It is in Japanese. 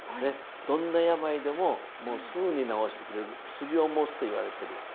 どんな病でもすぐに治してくれる薬を持つといわれてる。